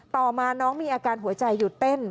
ต่อมาน้องมีอาการหัวใจหยุดเต้น